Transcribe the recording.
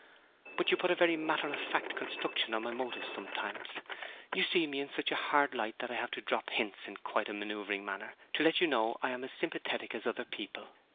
'But you put a very matter of fact construction on my motives sometimes. You see me in such a hard light that I have to drop hints in quite a manoeuvring manner to let you know I am as sympathetic as other people.